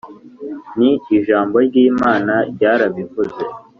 Ni Ijambo ry'Imana ryarabivuze.